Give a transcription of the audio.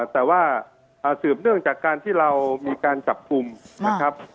แต่ว่าสืบเนื่องจากการที่เรามีการจับกลุ่มนะครับ